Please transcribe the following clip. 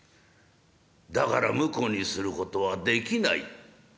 だから婿にすることはできない。